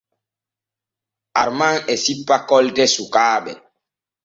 Arman e sippa kolte sukaaɓe.